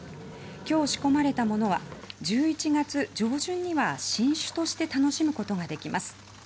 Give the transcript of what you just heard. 今日、仕込まれたものは１１月上旬には新酒ワインとして楽しむことが出来ます。